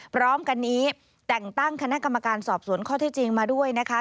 พร้อมกันนี้แต่งตั้งคณะกรรมการสอบสวนข้อที่จริงมาด้วยนะคะ